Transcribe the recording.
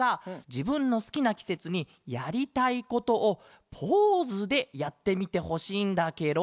じぶんのすきなきせつにやりたいことをポーズでやってみてほしいんだケロ。